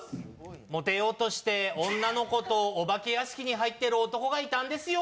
モテようとして女の子とお化け屋敷に入ってる男がいたんですよ。